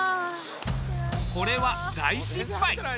これは大失敗。